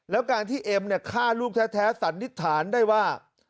แล้วการที่เอ็มฆ่าลูกแท้สันนิษฐานได้ว่า